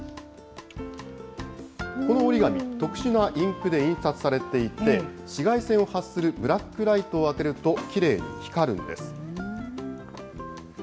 この折り紙、特殊なインクで印刷されていて、紫外線を発するブラックライトを当てると、きれいに光るんです。